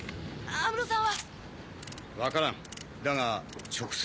安室さん！